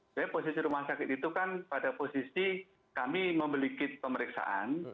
sebenarnya posisi rumah sakit itu kan pada posisi kami memiliki pemeriksaan